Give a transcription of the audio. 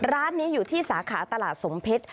ร้านนี้อยู่ที่สาขาตลาดสมเพชร